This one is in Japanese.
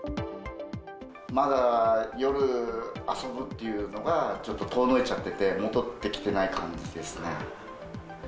まだ、夜遊ぶっていうのが、ちょっと遠のいちゃってて、戻ってきてない感じですね。